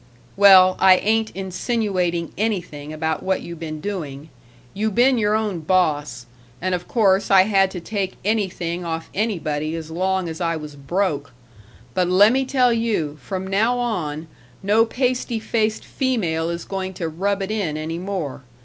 "Well, I ain't insinuating anything about what you been doing. You been your own boss, and of course I had to take anything off anybody as long as I was broke. But lemme tell you, from now on, no pasty faced female is going to rub it in any more.